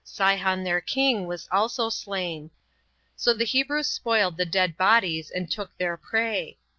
Sihon their king was also slain. So the Hebrews spoiled the dead bodies, and took their prey.